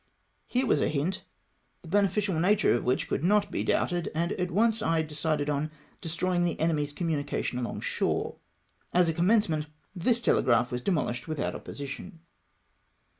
Here was a hint, the beneficial nature of which could not be doubted, and at once I decided on destroying the enemy's communications along shore. As a commencement, tins telegraph was demohshed without opposition.